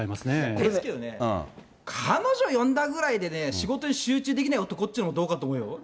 ですけどね、彼女呼んだぐらいでね、仕事に集中できない男っていうのも、どうかと思うよ。